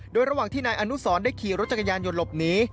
โดยระหว่างที่นายอนุสรได้ขี่รถจักรยานยนต์หลบหนี